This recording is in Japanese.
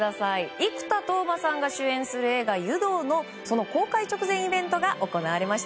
生田斗真さんが主演する映画「湯道」の公開直前イベントが行われました。